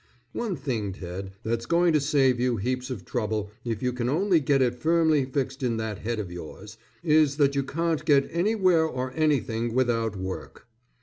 One thing, Ted, that's going to save you heaps of trouble if you can only get it firmly fixed in that head of yours, is that you can't get anywhere or anything without WORK.